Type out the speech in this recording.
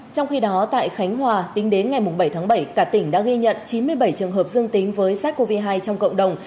trong khi đó tại khánh hòa tính đến ngày bảy tháng bảy cả tỉnh đã ghi nhận chín mươi bảy trường hợp dương tính với sars cov hai trong cộng đồng